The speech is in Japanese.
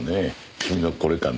君のこれかね？